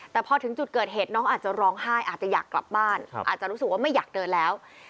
แต่พอถึงจุดเกิดเหตุน้องอาจจะร้องไห้อาจจะอยากกลับบ้านอาจจะรู้สึกว่าไม่อยากเดินแล้ว